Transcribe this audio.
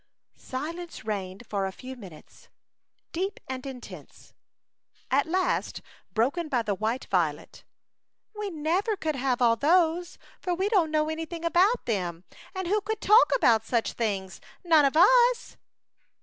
Silence reigned for a few minutes, deep and intense, at last broken by the white violet: " We never could have all those, for we don't know anything about them. And who could talk about such things? None of us."